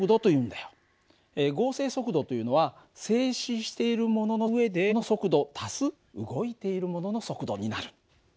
合成速度というのは静止しているものの上での速度足す動いているものの速度になる。